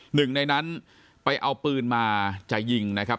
หนึ่งในนั้นไปเอาปืนมาจะยิงนะครับ